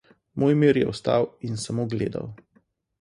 Mojmir je vstal in samo gledal.